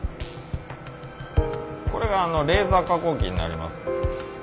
これがレーザー加工機になります。